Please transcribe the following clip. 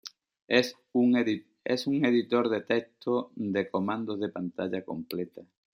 Es un editor de texto de comandos de pantalla completa.